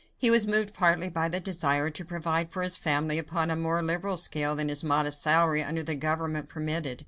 He was moved partly by the desire to provide for his family upon a more liberal scale than his modest salary under the government permitted.